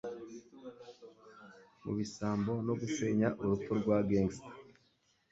Mubisambo no gusenya urupfu rwa gangster,